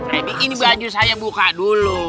ready ini baju saya buka dulu